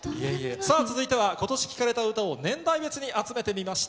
さあ、それではことし聴かれた歌を年代別に集めてみました。